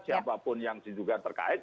siapapun yang diduga terkait